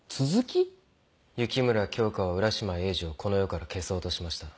雪村京花は浦島エイジをこの世から消そうとしました。